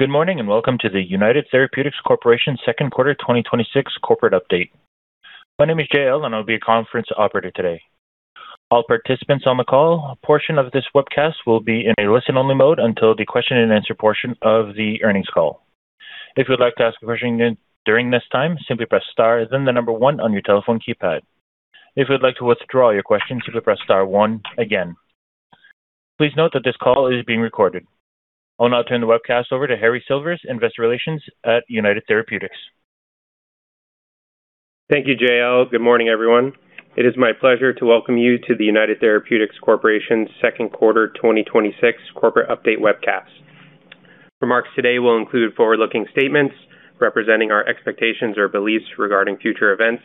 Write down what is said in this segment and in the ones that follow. Good morning. Welcome to the United Therapeutics Corporation Second Quarter 2026 Corporate Update. My name is JL, and I'll be your conference operator today. All participants on the call portion of this webcast will be in a listen-only mode until the question and answer portion of the earnings call. If you would like to ask a question during this time, simply press star, then the number one on your telephone keypad. If you would like to withdraw your question, simply press star one again. Please note that this call is being recorded. I'll now turn the webcast over to Harrison Silvers, investor relations at United Therapeutics. Thank you, JL. Good morning, everyone. It is my pleasure to welcome you to the United Therapeutics Corporation Second Quarter 2026 Corporate Update webcast. Remarks today will include forward-looking statements representing our expectations or beliefs regarding future events.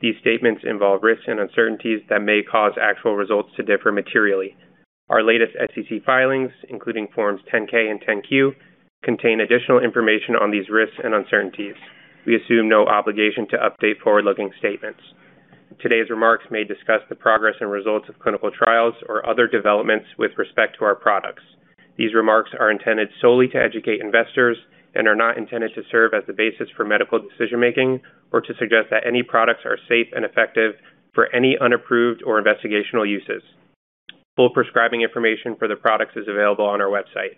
These statements involve risks and uncertainties that may cause actual results to differ materially. Our latest SEC filings, including Forms 10-K and 10-Q, contain additional information on these risks and uncertainties. We assume no obligation to update forward-looking statements. Today's remarks may discuss the progress and results of clinical trials or other developments with respect to our products. These remarks are intended solely to educate investors and are not intended to serve as the basis for medical decision-making or to suggest that any products are safe and effective for any unapproved or investigational uses. Full prescribing information for the products is available on our website.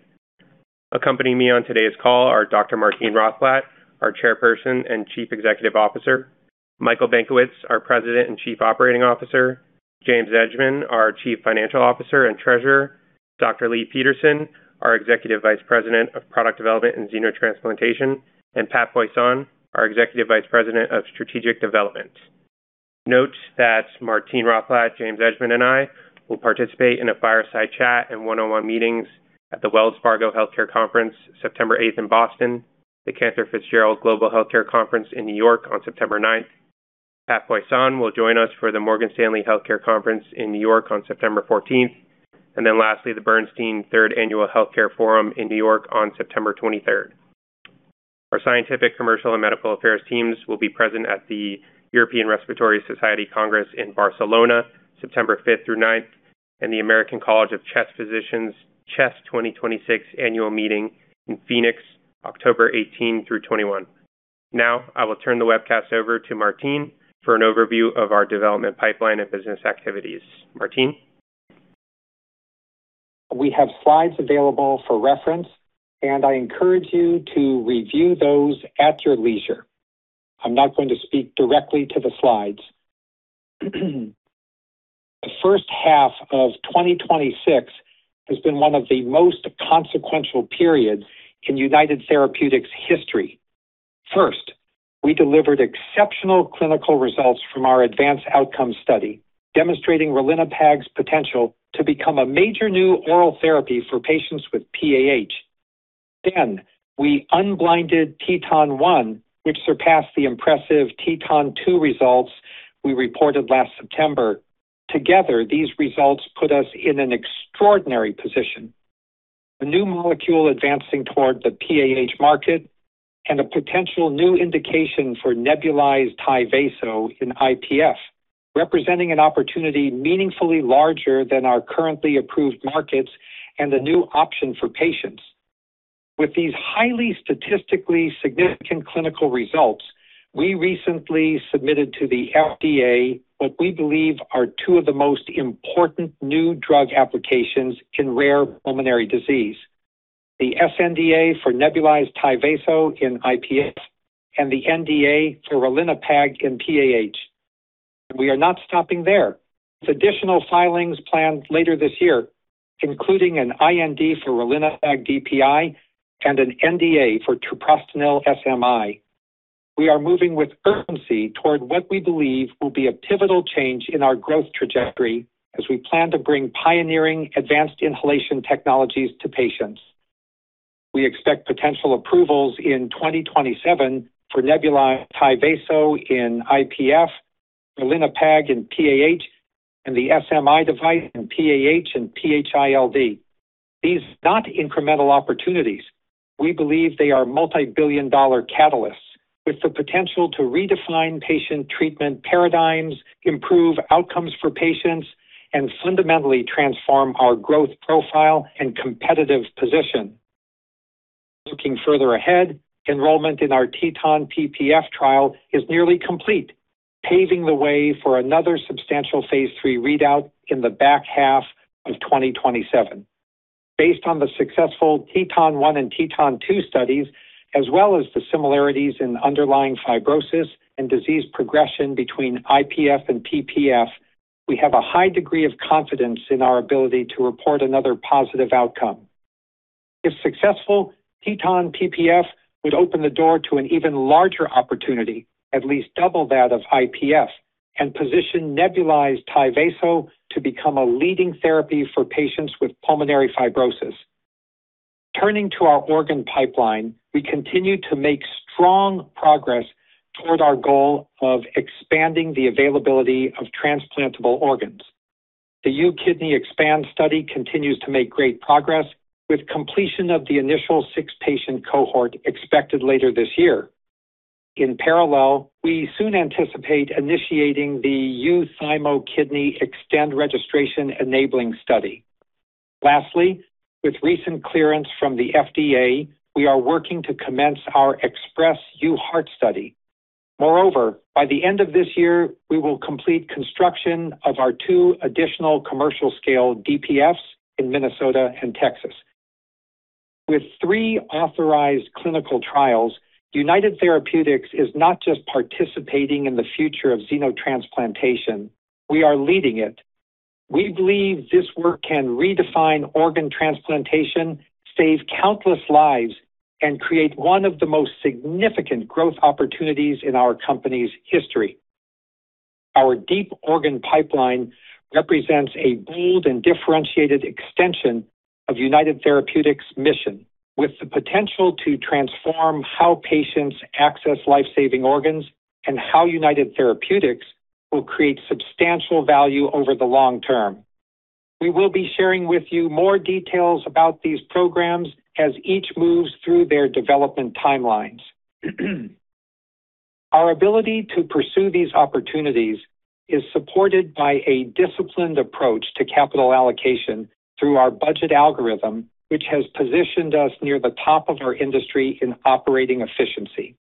Accompanying me on today's call are Dr. Martine Rothblatt, our Chairperson and Chief Executive Officer, Michael Benkowitz, our President and Chief Operating Officer, James Edgemond, our Chief Financial Officer and Treasurer, Dr. Leigh Peterson, our Executive Vice President of Product Development and Xenotransplantation, and Pat Poisson, our Executive Vice President of Strategic Development. Note that Martine Rothblatt, James Edgemond, and I will participate in a fireside chat and one-on-one meetings at the Wells Fargo Healthcare Conference, September 8th in Boston, the Cantor Fitzgerald Global Healthcare Conference in New York on September 9th. Pat Poisson will join us for the Morgan Stanley Global Healthcare Conference in New York on September 14th. Lastly, the Bernstein Third Annual Healthcare Forum in New York on September 23rd. Our scientific, commercial, and medical affairs teams will be present at the European Respiratory Society Congress in Barcelona, September 5th through the 9th, and the American College of Chest Physicians CHEST 2026 annual meeting in Phoenix, October 18 through 21. I will turn the webcast over to Martine for an overview of our development pipeline and business activities. Martine. We have slides available for reference. I encourage you to review those at your leisure. I'm not going to speak directly to the slides. The first half of 2026 has been one of the most consequential periods in United Therapeutics' history. First, we delivered exceptional clinical results from our ADVANCE OUTCOMES study, demonstrating ralinepag's potential to become a major new oral therapy for patients with PAH. We unblinded TETON-1, which surpassed the impressive TETON-2 results we reported last September. These results put us in an extraordinary position. A new molecule advancing toward the PAH market and a potential new indication for nebulized TYVASO in IPF, representing an opportunity meaningfully larger than our currently approved markets and a new option for patients. With these highly statistically significant clinical results, we recently submitted to the FDA what we believe are two of the most important new drug applications in rare pulmonary disease, the sNDA for nebulized TYVASO in IPF and the NDA for ralinepag in PAH. We are not stopping there. With additional filings planned later this year, including an IND for ralinepag DPI and an NDA for treprostinil SMI. We are moving with urgency toward what we believe will be a pivotal change in our growth trajectory as we plan to bring pioneering advanced inhalation technologies to patients. We expect potential approvals in 2027 for nebulized TYVASO in IPF, ralinepag in PAH, and the SMI device in PAH and PH-ILD. These are not incremental opportunities. We believe they are multibillion-dollar catalysts with the potential to redefine patient treatment paradigms, improve outcomes for patients, and fundamentally transform our growth profile and competitive position. Looking further ahead, enrollment in our TETON PPF trial is nearly complete, paving the way for another substantial phase III readout in the back half of 2027. Based on the successful TETON-1 and TETON-2 studies, as well as the similarities in underlying fibrosis and disease progression between IPF and PPF, we have a high degree of confidence in our ability to report another positive outcome. If successful, TETON PPF would open the door to an even larger opportunity, at least double that of IPF, and position nebulized TYVASO to become a leading therapy for patients with pulmonary fibrosis. Turning to our organ pipeline, we continue to make strong progress toward our goal of expanding the availability of transplantable organs. The UKidney EXPAND study continues to make great progress, with completion of the initial six-patient cohort expected later this year. In parallel, we soon anticipate initiating the UThymoKidney EXTEND registration enabling study. Lastly, with recent clearance from the FDA, we are working to commence our EXPRESS-UHeart study. Moreover, by the end of this year, we will complete construction of our two additional commercial-scale DPFs in Minnesota and Texas. With three authorized clinical trials, United Therapeutics is not just participating in the future of xenotransplantation, we are leading it. We believe this work can redefine organ transplantation, save countless lives, and create one of the most significant growth opportunities in our company's history. Our deep organ pipeline represents a bold and differentiated extension of United Therapeutics' mission, with the potential to transform how patients access life-saving organs and how United Therapeutics will create substantial value over the long term. We will be sharing with you more details about these programs as each moves through their development timelines. Our ability to pursue these opportunities is supported by a disciplined approach to capital allocation through our budget algorithm, which has positioned us near the top of our industry in operating efficiency.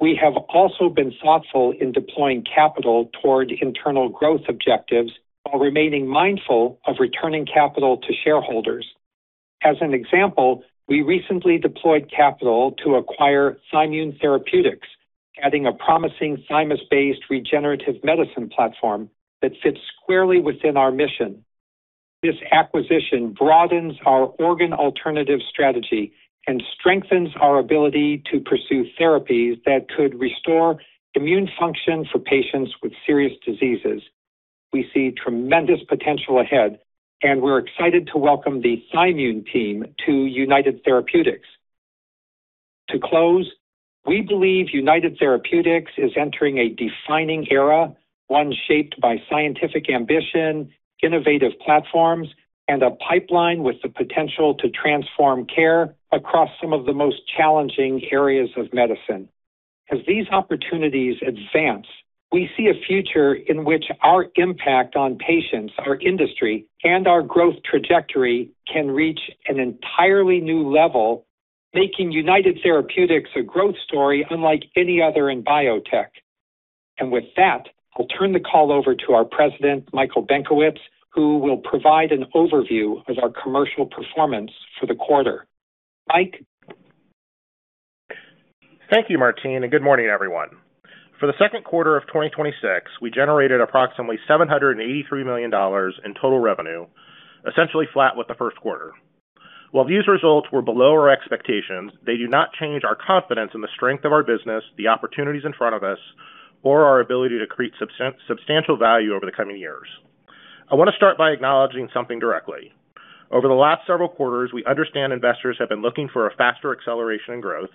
We have also been thoughtful in deploying capital toward internal growth objectives while remaining mindful of returning capital to shareholders. As an example, we recently deployed capital to acquire Thymmune Therapeutics, adding a promising thymus-based regenerative medicine platform that fits squarely within our mission. This acquisition broadens our organ alternative strategy and strengthens our ability to pursue therapies that could restore immune function for patients with serious diseases. We see tremendous potential ahead, and we're excited to welcome the Thymmune team to United Therapeutics. To close, we believe United Therapeutics is entering a defining era, one shaped by scientific ambition, innovative platforms, and a pipeline with the potential to transform care across some of the most challenging areas of medicine. As these opportunities advance, we see a future in which our impact on patients, our industry, and our growth trajectory can reach an entirely new level, making United Therapeutics a growth story unlike any other in biotech. With that, I'll turn the call over to our President, Michael Benkowitz, who will provide an overview of our commercial performance for the quarter. Mike? Thank you, Martine. Good morning, everyone. For the second quarter of 2026, we generated approximately $783 million in total revenue, essentially flat with the first quarter. While these results were below our expectations, they do not change our confidence in the strength of our business, the opportunities in front of us, or our ability to create substantial value over the coming years. I want to start by acknowledging something directly. Over the last several quarters, we understand investors have been looking for a faster acceleration in growth,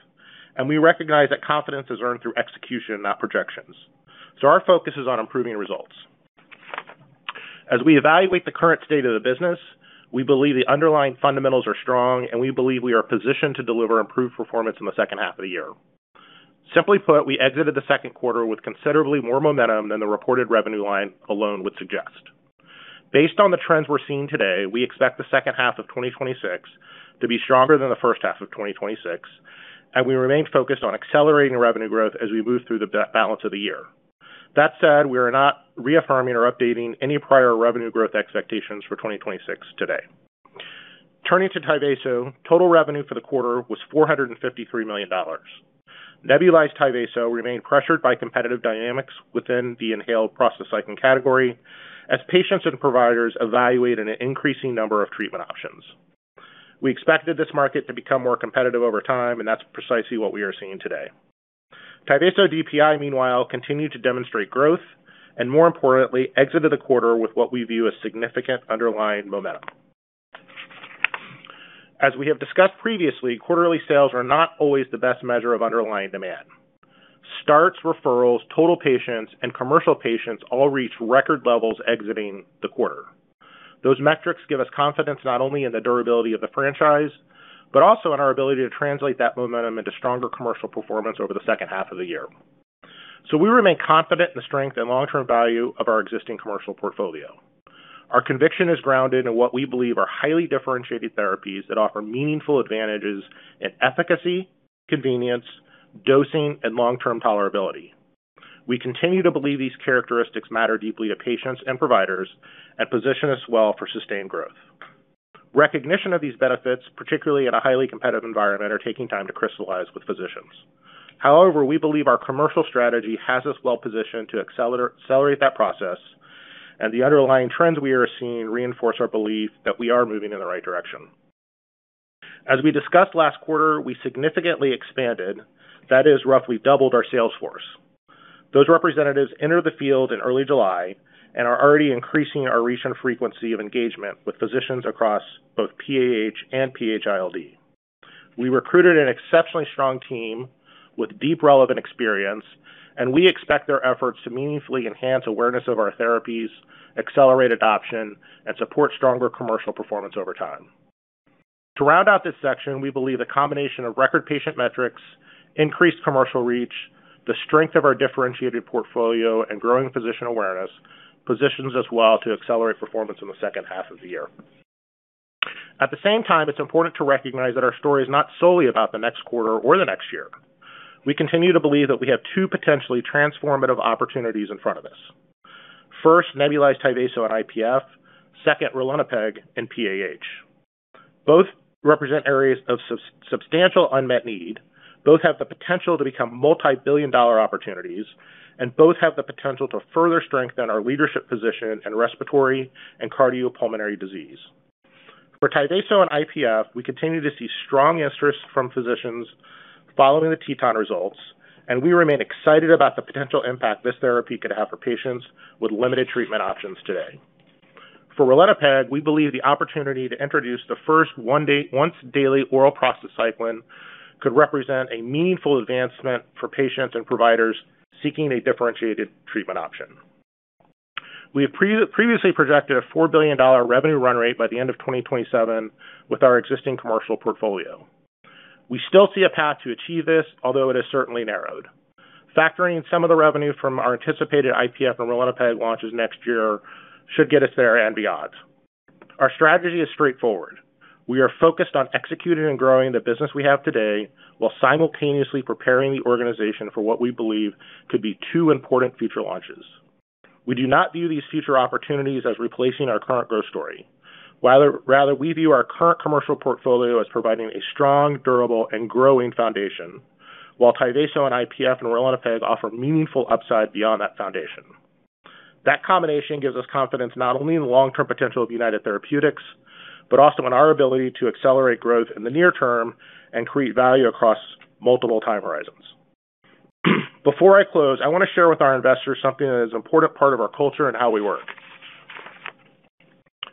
and we recognize that confidence is earned through execution, not projections. Our focus is on improving results. As we evaluate the current state of the business, we believe the underlying fundamentals are strong, and we believe we are positioned to deliver improved performance in the second half of the year. Simply put, we exited the second quarter with considerably more momentum than the reported revenue line alone would suggest. Based on the trends we're seeing today, we expect the second half of 2026 to be stronger than the first half of 2026, and we remain focused on accelerating revenue growth as we move through the balance of the year. That said, we are not reaffirming or updating any prior revenue growth expectations for 2026 today. Turning to TYVASO, total revenue for the quarter was $453 million. Nebulized TYVASO remained pressured by competitive dynamics within the inhaled prostacyclin category as patients and providers evaluate an increasing number of treatment options. We expected this market to become more competitive over time, and that's precisely what we are seeing today. TYVASO DPI, meanwhile, continued to demonstrate growth and, more importantly, exited the quarter with what we view as significant underlying momentum. As we have discussed previously, quarterly sales are not always the best measure of underlying demand. Starts, referrals, total patients, and commercial patients all reached record levels exiting the quarter. Those metrics give us confidence not only in the durability of the franchise, but also in our ability to translate that momentum into stronger commercial performance over the second half of the year. We remain confident in the strength and long-term value of our existing commercial portfolio. Our conviction is grounded in what we believe are highly differentiated therapies that offer meaningful advantages in efficacy, convenience, dosing, and long-term tolerability. We continue to believe these characteristics matter deeply to patients and providers and position us well for sustained growth. Recognition of these benefits, particularly in a highly competitive environment, are taking time to crystallize with physicians. However, we believe our commercial strategy has us well positioned to accelerate that process. The underlying trends we are seeing reinforce our belief that we are moving in the right direction. As we discussed last quarter, we significantly expanded, that is, roughly doubled our sales force. Those representatives entered the field in early July and are already increasing our recent frequency of engagement with physicians across both PAH and PH-ILD. We recruited an exceptionally strong team with deep relevant experience. We expect their efforts to meaningfully enhance awareness of our therapies, accelerate adoption, and support stronger commercial performance over time. To round out this section, we believe the combination of record patient metrics, increased commercial reach, the strength of our differentiated portfolio, and growing physician awareness positions us well to accelerate performance in the second half of the year. At the same time, it's important to recognize that our story is not solely about the next quarter or the next year. We continue to believe that we have two potentially transformative opportunities in front of us. First, nebulized TYVASO and IPF. Second, ralinepag and PAH. Both represent areas of substantial unmet need. Both have the potential to become multi-billion dollar opportunities. Both have the potential to further strengthen our leadership position in respiratory and cardiopulmonary disease. For TYVASO and IPF, we continue to see strong interest from physicians following the TETON results. We remain excited about the potential impact this therapy could have for patients with limited treatment options today. For ralinepag, we believe the opportunity to introduce the first once daily oral prostacyclin could represent a meaningful advancement for patients and providers seeking a differentiated treatment option. We have previously projected a $4 billion revenue run rate by the end of 2027 with our existing commercial portfolio. We still see a path to achieve this, although it has certainly narrowed. Factoring in some of the revenue from our anticipated IPF and ralinepag launches next year should get us there and beyond. Our strategy is straightforward. We are focused on executing and growing the business we have today while simultaneously preparing the organization for what we believe could be two important future launches. We do not view these future opportunities as replacing our current growth story. Rather, we view our current commercial portfolio as providing a strong, durable, and growing foundation, while TYVASO and IPF and ralinepag offer meaningful upside beyond that foundation. That combination gives us confidence not only in the long-term potential of United Therapeutics, but also in our ability to accelerate growth in the near term and create value across multiple time horizons. Before I close, I want to share with our investors something that is an important part of our culture and how we work.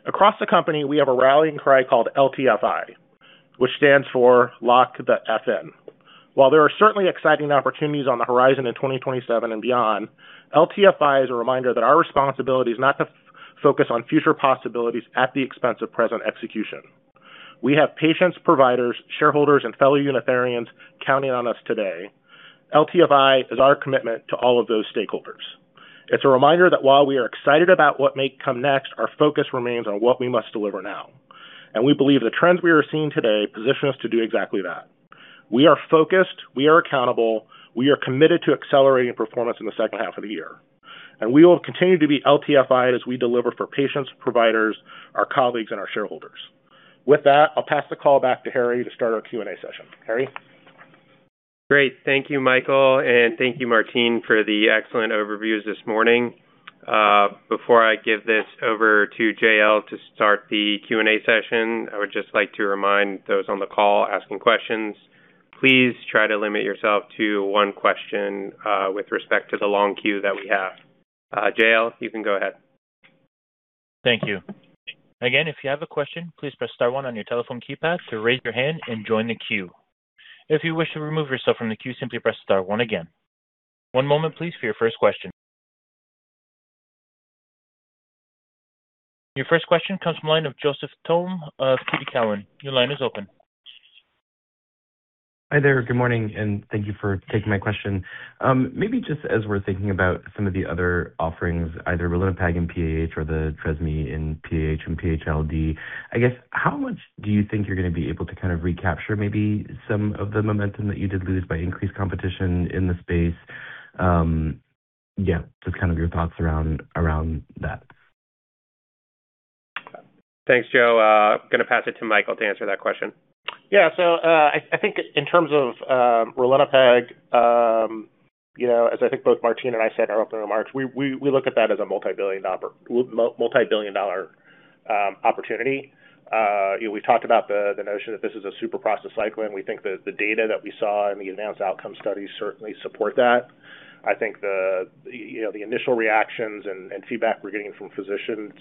Across the company, we have a rallying cry called LTFI, which stands for Lock The F In. While there are certainly exciting opportunities on the horizon in 2027 and beyond, LTFI is a reminder that our responsibility is not to focus on future possibilities at the expense of present execution. We have patients, providers, shareholders, and fellow Unitherians counting on us today. LTFI is our commitment to all of those stakeholders. It's a reminder that while we are excited about what may come next, our focus remains on what we must deliver now, and we believe the trends we are seeing today position us to do exactly that. We are focused, we are accountable, we are committed to accelerating performance in the second half of the year, and we will continue to be LTFI as we deliver for patients, providers, our colleagues, and our shareholders. With that, I'll pass the call back to Harry to start our Q&A session. Harry? Great. Thank you, Michael, and thank you, Martine, for the excellent overviews this morning. Before I give this over to JL to start the Q&A session, I would just like to remind those on the call asking questions, please try to limit yourself to one question with respect to the long queue that we have. JL, you can go ahead. Thank you. Again, if you have a question, please press star one on your telephone keypad to raise your hand and join the queue. If you wish to remove yourself from the queue, simply press star one again. One moment please for your first question. Your first question comes from line of Joseph Thome of TD Cowen. Your line is open. Hi there. Good morning. Thank you for taking my question. Just as we're thinking about some of the other offerings, either ralinepag in PAH or the SMI in PAH and PH-ILD, how much do you think you're going to be able to kind of recapture maybe some of the momentum that you did lose by increased competition in the space? Just kind of your thoughts around that. Thanks, Joe. I am going to pass it to Michael to answer that question. I think in terms of ralinepag, as I think both Martine and I said in our opening remarks, we look at that as a multi-billion dollar opportunity. We talked about the notion that this is a super prostacyclin. We think that the data that we saw in the ADVANCE OUTCOMES studies certainly support that. I think the initial reactions and feedback we're getting from physicians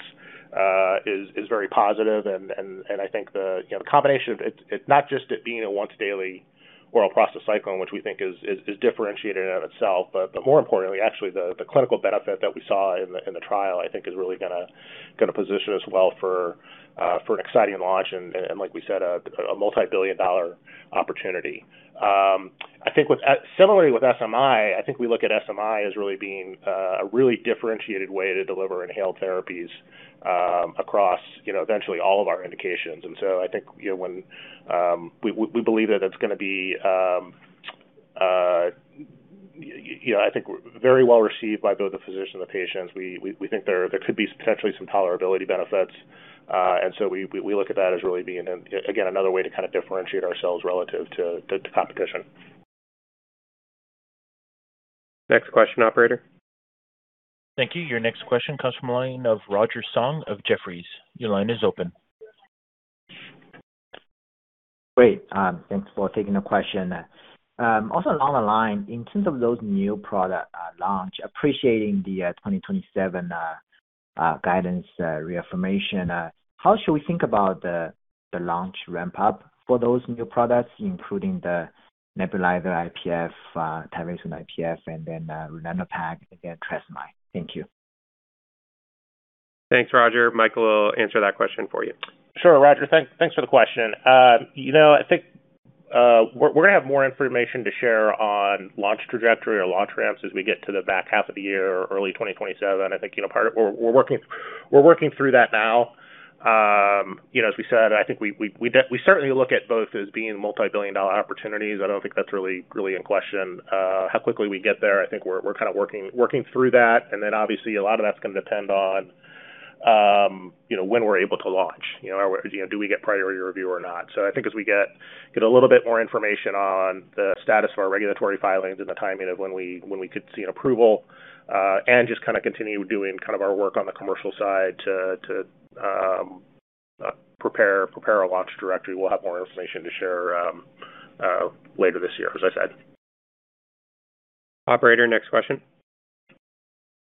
is very positive. The combination of it not just it being a once-daily oral prostacyclin, which we think is differentiated in and of itself, but more importantly, actually, the clinical benefit that we saw in the trial, I think is really going to position us well for an exciting launch and, like we said, a multi-billion dollar opportunity. Similarly with SMI, I think we look at SMI as really being a really differentiated way to deliver inhaled therapies across eventually all of our indications. I think we believe that it's going to be very well-received by both the physicians and the patients. We think there could be potentially some tolerability benefits. We look at that as really being, again, another way to differentiate ourselves relative to competition. Next question, operator. Thank you. Your next question comes from the line of Roger Song of Jefferies. Your line is open. Great. Thanks for taking the question. Along the line, in terms of those new product launch, appreciating the 2027 guidance reaffirmation, how should we think about the launch ramp up for those new products, including the nebulized IPF, TYVASO IPF, ralinepag and Tresmi? Thank you. Thanks, Roger. Michael will answer that question for you. Sure. Roger, thanks for the question. I think we're going to have more information to share on launch trajectory or launch ramps as we get to the back half of the year or early 2027. I think we're working through that now. As we said, I think we certainly look at both as being multi-billion dollar opportunities. I don't think that's really in question. How quickly we get there, I think we're working through that. Obviously a lot of that's going to depend on when we're able to launch. Do we get priority review or not? I think as we get a little bit more information on the status of our regulatory filings and the timing of when we could see an approval, and just continue doing our work on the commercial side to prepare our launch trajectory. We'll have more information to share later this year, as I said. Operator, next question.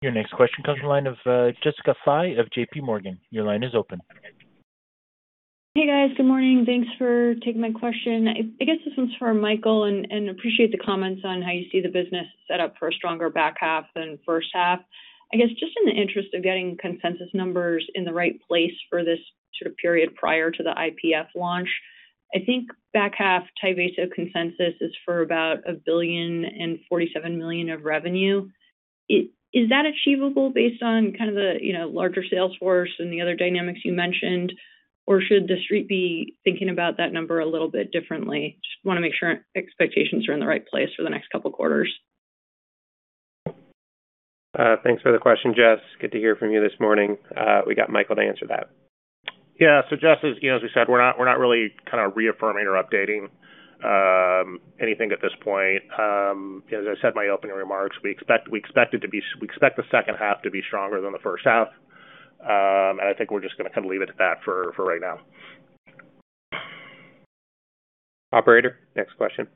Your next question comes from the line of Jessica Fye of JPMorgan. Your line is open. Hey, guys. Good morning. Thanks for taking my question. This one's for Michael. Appreciate the comments on how you see the business set up for a stronger back half than first half. Just in the interest of getting consensus numbers in the right place for this period prior to the IPF launch. I think back half TYVASO consensus is for about $1.047 billion of revenue. Is that achievable based on the larger sales force and the other dynamics you mentioned, or should the Street be thinking about that number a little bit differently? Just want to make sure expectations are in the right place for the next couple quarters. Thanks for the question, Jess. Good to hear from you this morning. We got Michael to answer that. Jess, as we said, we're not really reaffirming or updating anything at this point. As I said in my opening remarks, we expect the second half to be stronger than the first half. I think we're just going to leave it at that for right now. Operator, next question.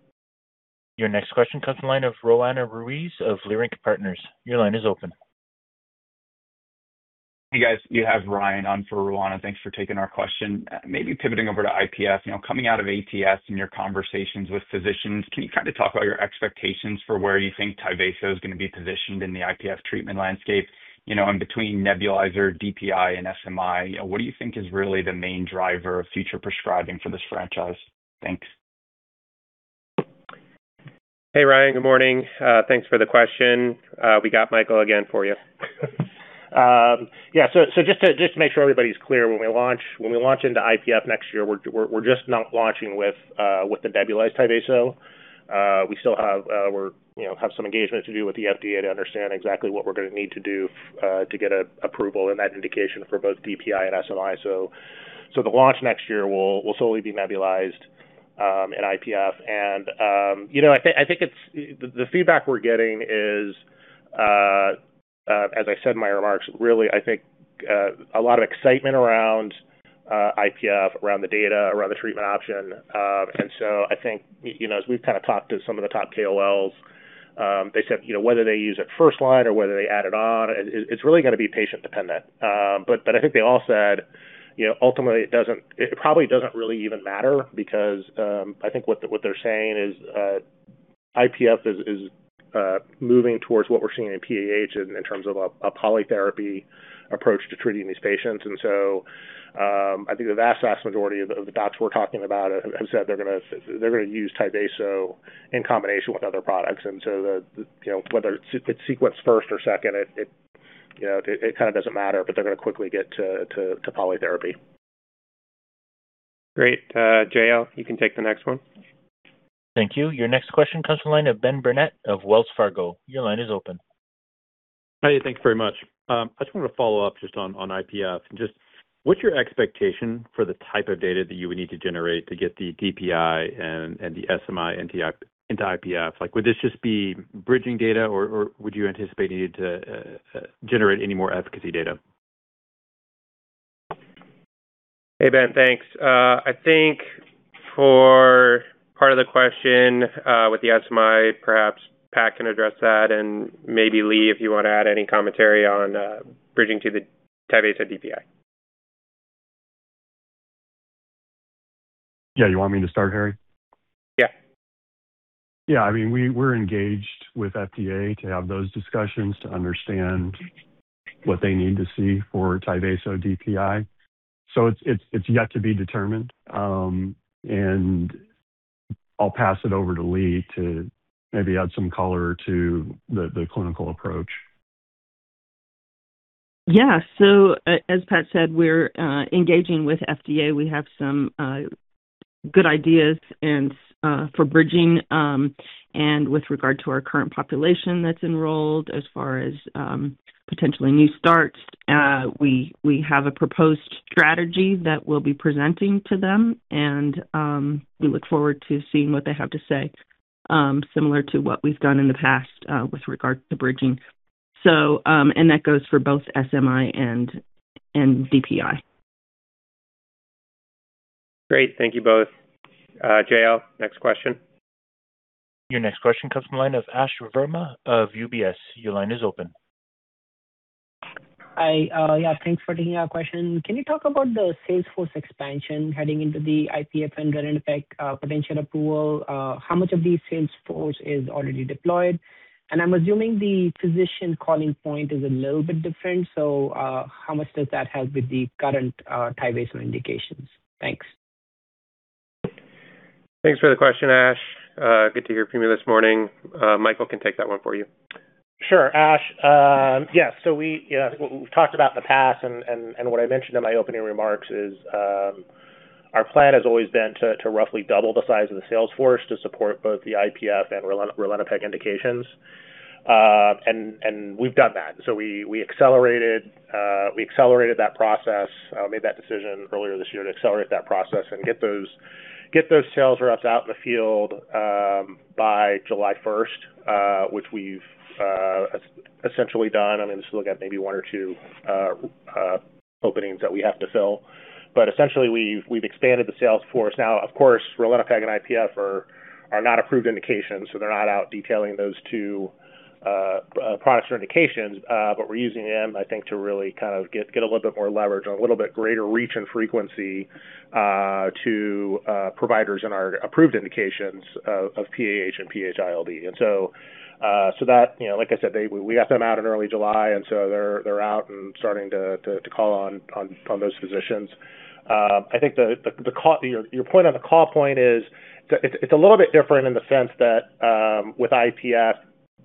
Your next question comes from the line of Roanna Ruiz of Leerink Partners. Your line is open. Hey, guys. You have Ryan on for Roanna. Thanks for taking our question. Pivoting over to IPF. Coming out of ATS and your conversations with physicians, can you talk about your expectations for where you think TYVASO is going to be positioned in the IPF treatment landscape, in between nebulizer, DPI, and SMI? What do you think is really the main driver of future prescribing for this franchise? Thanks. Hey, Ryan. Good morning. Thanks for the question. We got Michael again for you. Just to make sure everybody's clear, when we launch into IPF next year, we're just not launching with the nebulized TYVASO. We still have some engagement to do with the FDA to understand exactly what we're going to need to do to get approval in that indication for both DPI and SMI. The launch next year will solely be nebulized in IPF. I think the feedback we're getting is, as I said in my remarks, a lot of excitement around IPF, around the data, around the treatment option. I think as we've talked to some of the top KOLs, they said whether they use it first line or whether they add it on, it's really going to be patient-dependent. I think they all said ultimately it probably doesn't really even matter because I think what they're saying is IPF is moving towards what we're seeing in PAH in terms of a polytherapy approach to treating these patients. I think the vast majority of the docs we're talking about have said they're going to use TYVASO in combination with other products. Whether it's sequenced first or second, it kind of doesn't matter, but they're going to quickly get to polytherapy. Great. JL, you can take the next one. Thank you. Your next question comes from the line of Ben Burnett of Wells Fargo. Your line is open. Hey, thanks very much. I just wanted to follow up just on IPF and just what's your expectation for the type of data that you would need to generate to get the DPI and the SMI into IPF? Would this just be bridging data, or would you anticipate needing to generate any more efficacy data? Hey, Ben. Thanks. I think for part of the question with the SMI, perhaps Pat can address that and maybe Leigh, if you want to add any commentary on bridging to the Tyvaso DPI. Yeah. You want me to start, Harry? Yeah. Yeah, we're engaged with FDA to have those discussions to understand what they need to see for TYVASO DPI. It's yet to be determined. I'll pass it over to Leigh to maybe add some color to the clinical approach. Yeah. As Pat said, we're engaging with FDA. We have some good ideas for bridging, with regard to our current population that's enrolled, as far as potentially new starts. We have a proposed strategy that we'll be presenting to them, we look forward to seeing what they have to say, similar to what we've done in the past with regard to bridging. That goes for both SMI and DPI. Great. Thank you both. JL, next question. Your next question comes from the line of Ash Verma of UBS. Your line is open. Hi. Yeah, thanks for taking our question. Can you talk about the sales force expansion heading into the IPF and ralinepag potential approval? How much of the sales force is already deployed? I'm assuming the physician calling point is a little bit different. How much does that help with the current TYVASO indications? Thanks. Thanks for the question, Ash. Good to hear from you this morning. Michael can take that one for you. Sure. Ash. We've talked about in the past, and what I mentioned in my opening remarks is our plan has always been to roughly double the size of the sales force to support both the IPF and ralinepag indications. We've done that. We accelerated that process, made that decision earlier this year to accelerate that process and get those sales reps out in the field by July 1st, which we've essentially done. I mean, just looking at maybe one or two openings that we have to fill. Essentially, we've expanded the sales force. Now, of course, ralinepag and IPF are not approved indications, so they're not out detailing those two products or indications. We're using them, I think, to really get a little bit more leverage and a little bit greater reach and frequency to providers in our approved indications of PAH and PH-ILD. Like I said, we got them out in early July, and so they're out and starting to call on those physicians. I think your point on the call point is, it's a little bit different in the sense that with IPF,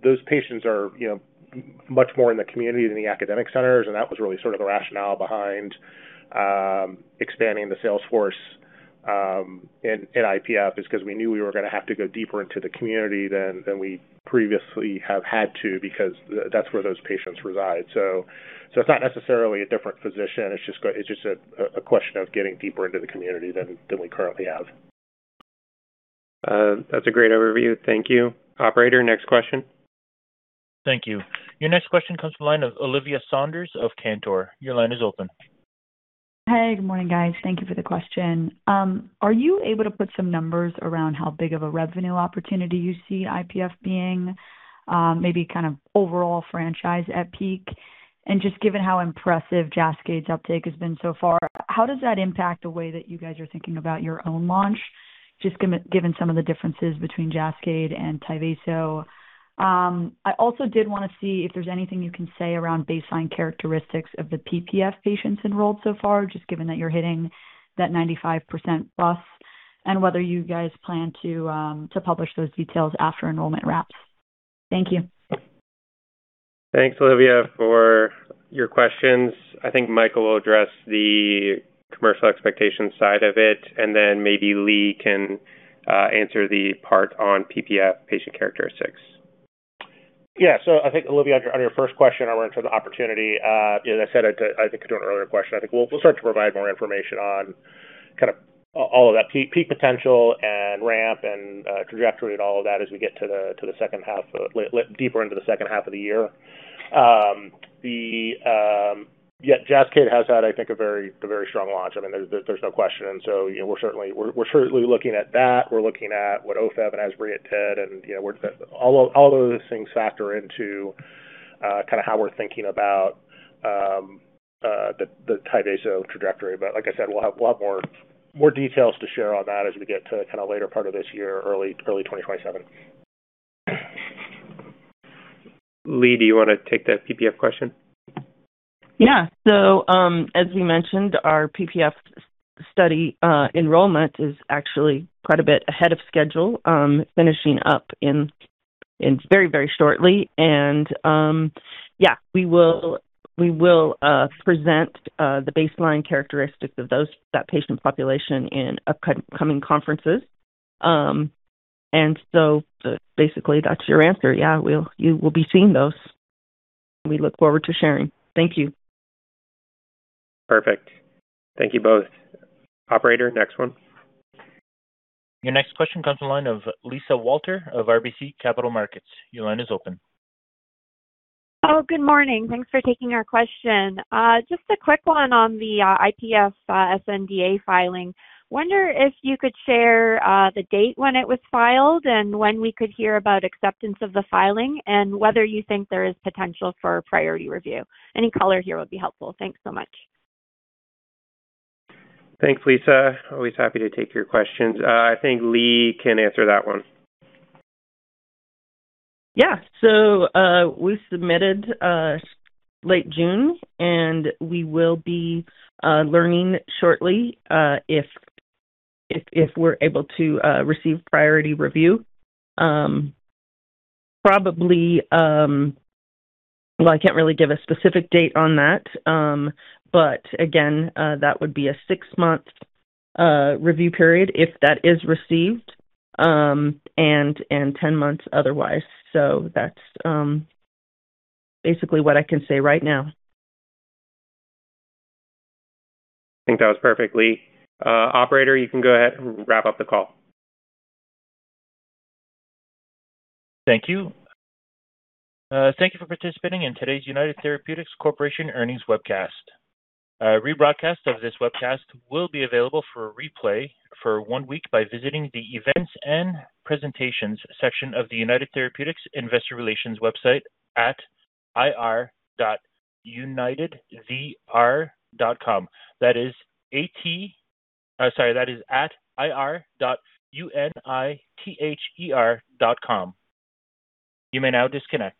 those patients are much more in the community than the academic centers, and that was really the rationale behind expanding the sales force in IPF, is because we knew we were going to have to go deeper into the community than we previously have had to because that's where those patients reside. It's not necessarily a different position, it's just a question of getting deeper into the community than we currently have. That's a great overview. Thank you. Operator, next question. Thank you. Your next question comes from the line of Olivia Saunders of Cantor. Your line is open. Hey, good morning, guys. Thank you for the question. Are you able to put some numbers around how big of a revenue opportunity you see IPF being, maybe overall franchise at peak? Just given how impressive JASCAYD's uptake has been so far, how does that impact the way that you guys are thinking about your own launch, just given some of the differences between JASCAYD and TYVASO? I also did want to see if there's anything you can say around baseline characteristics of the PPF patients enrolled so far, just given that you're hitting that 95%+ and whether you guys plan to publish those details after enrollment wraps. Thank you. Thanks, Olivia, for your questions. I think Michael will address the commercial expectation side of it, maybe Leigh can answer the part on PPF patient characteristics. Yeah. I think Olivia, on your first question around terms of the opportunity, as I said, I think to an earlier question, I think we'll start to provide more information on all of that peak potential and ramp and trajectory and all of that as we get deeper into the second half of the year. Yeah, JASCAYD has had, I think, a very strong launch. There's no question. We're certainly looking at that. We're looking at what OFEV and Esbriet did, all of those things factor into how we're thinking about the TYVASO trajectory. Like I said, we'll have a lot more details to share on that as we get to later part of this year, early 2027. Leigh, do you want to take that PPF question? Yeah. As we mentioned, our PPF study enrollment is actually quite a bit ahead of schedule, finishing up very shortly. Yeah. We will present the baseline characteristics of that patient population in upcoming conferences. Basically, that's your answer. Yeah. You will be seeing those. We look forward to sharing. Thank you. Perfect. Thank you both. Operator, next one. Your next question comes from the line of Lisa Walter of RBC Capital Markets. Your line is open. Oh, good morning. Thanks for taking our question. Just a quick one on the IPF sNDA filing. Wonder if you could share the date when it was filed and when we could hear about acceptance of the filing, and whether you think there is potential for a priority review. Any color here would be helpful. Thanks so much. Thanks, Lisa. Always happy to take your questions. I think Leigh can answer that one. Yeah. We submitted late June, we will be learning shortly if we're able to receive priority review. Probably, well, I can't really give a specific date on that. Again, that would be a six-month review period if that is received, and 10 months otherwise. That's basically what I can say right now. I think that was perfect, Leigh. Operator, you can go ahead and wrap up the call. Thank you. Thank you for participating in today's United Therapeutics Corporation earnings webcast. A rebroadcast of this webcast will be available for a replay for one week by visiting the Events and Presentations section of the United Therapeutics Investor Relations website at ir.unither.com. That is ir.unither.com. You may now disconnect.